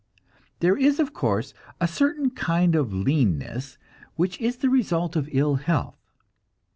There is, of course, a certain kind of leanness which is the result of ill health.